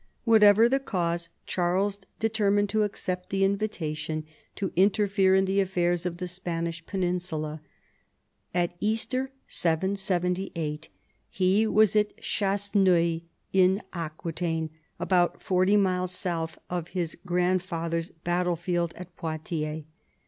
Whatever the cause, Charles determined to accept the invitation to interfere in the affairs of the Spanish peninsula. At Easter (778) he was at Chasseneuil, in Aquitaine, about forty miles south of his grand father's battle field at Poitiers.